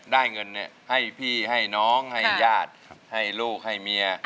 ได้เงินให้พี่ให้น้องให้ญาติให้ลูกให้เมีย